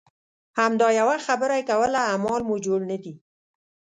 همدا یوه خبره یې کوله اعمال مو جوړ نه دي.